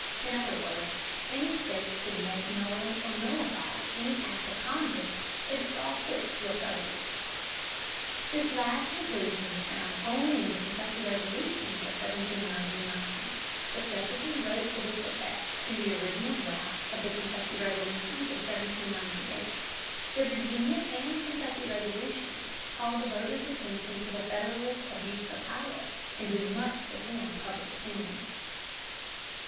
In other words, any state could make null or nullify any Act of Congress that it saw fit to oppose. This last conclusion was found only in the Kentucky Resolutions of 1799. But Jefferson wrote to this effect in the original draft of the Kentucky Resolutions of 1798. The Virginia and Kentucky Resolutions called the voter's attention to the Federalist abuse of power and did much to form public opinion.